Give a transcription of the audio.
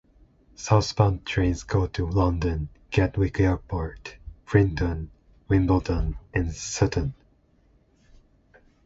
Southbound trains go to London, Gatwick Airport, Brighton, Wimbledon and Sutton.